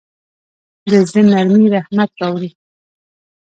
د زړه نرمي رحمت راوړي.